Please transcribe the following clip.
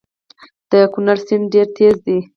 د کونړ سیند ډیر تېز دی